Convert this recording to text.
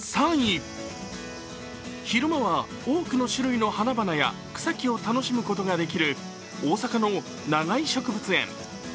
昼間は多くの種類の花々や草木を楽しむことができる大阪の長居植物園。